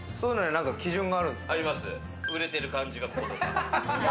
売れてる感じが、ここに。